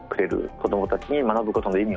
子どもたちに学ぶことの意味をですね